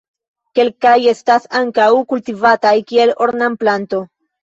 Kelkaj estas ankaŭ kultivataj kiel ornamplanto.